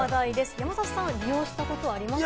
山里さん、利用したことありますか？